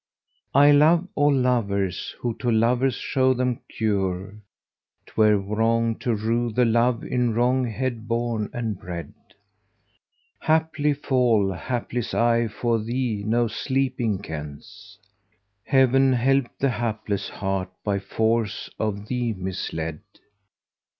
I love all lovers who to lovers show them dure; * 'Twere wrong to rue the love in wrong head born and bred: Haply fall hapless eye for thee no sleeping kens! * Heaven help the hapless heart by force of thee misled!